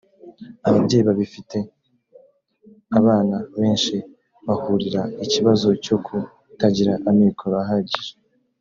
ababyeyi babifite abana benshi bahurira kibazo cyo ku kutagira amikoro ahagije.